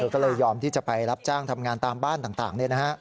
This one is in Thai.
เธอก็เลยยอมที่จะไปรับจ้างทำงานตามบ้านต่างได้นะฮะ